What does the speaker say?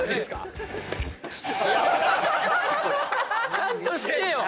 何これ⁉ちゃんとしてよ！